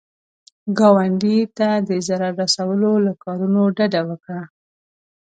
ګاونډي ته د ضرر رسولو له کارونو ډډه وکړه